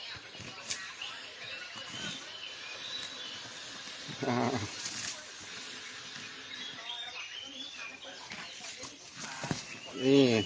นี่นี่นี่นี่อ้าว